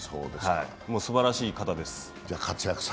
すばらしい方です。